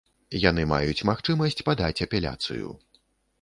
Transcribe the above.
Яны маюць магчымасць падаць апеляцыю.